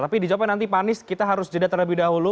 tapi dijawabkan nanti pak anies kita harus jeda terlebih dahulu